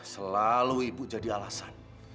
selalu ibu jadi alasan